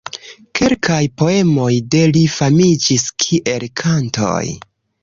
Kelkaj poemoj de li famiĝis kiel kantoj.